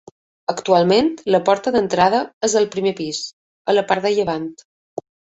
Actualment la porta d'entrada és al primer pis, a la part de llevant.